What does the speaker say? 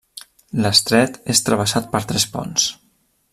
L'estret és travessat per tres ponts.